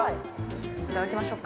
◆いただきましょうか。